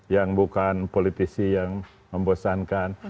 yang bukan politisi yang membosankan